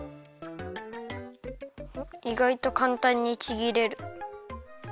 いがいとかんたんにちぎれる。